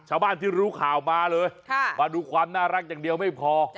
ชาวบ้านที่รู้ข่าวมาเลยมาดูความน่ารักอย่างเดียวไม่พอ